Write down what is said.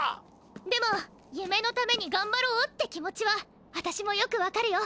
でもゆめのためにがんばろうって気持ちはあたしもよく分かるよ。